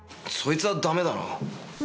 そいつはだめだろ。